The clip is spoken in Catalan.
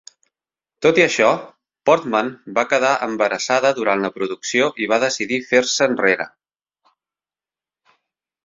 Tot i això, Portman va quedar embarassada durant la producció i va decidir fer-se enrere.